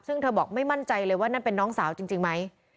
ซึ่งเธอบอกไม่มั่นใจเลยว่านั่นเป็นน้องสาวจริงไหม